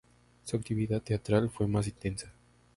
Su actividad teatral fue más intensa.